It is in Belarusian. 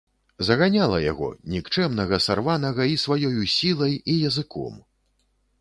Заганяла яго, нікчэмнага, сарванага, і сваёю сілай і языком.